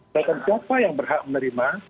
bahkan siapa yang berhak menerima